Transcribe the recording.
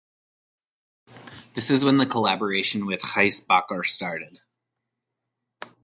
This is when the collaboration with Gijs Bakker started.